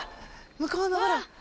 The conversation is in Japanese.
向こうのほら。